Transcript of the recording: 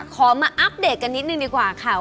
ขอมาอัปเดตกันนิดนึงดีกว่าค่ะ